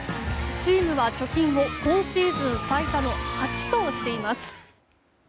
チームは貯金を今シーズン最多の８としています。